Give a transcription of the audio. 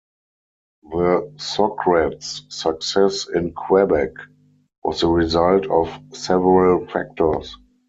The Socreds' success in Quebec was the result of several factors.